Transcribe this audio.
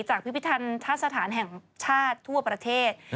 จากพิพิธัณฑ์ท่าสถานแห่งชาติทั่วประเทศ